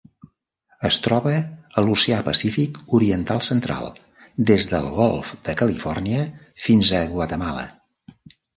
Es troba a l'Oceà Pacífic oriental central: des del Golf de Califòrnia fins a Guatemala.